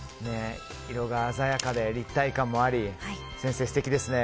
色が鮮やかで立体感もあり先生、素敵ですね。